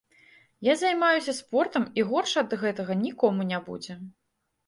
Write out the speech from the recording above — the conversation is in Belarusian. Я займаюся спортам, і горш ад гэтага нікому не будзе.